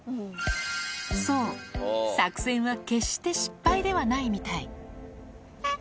そう、作戦は決して失敗ではないみたい。